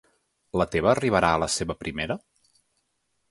La teva arribarà a la seva primera?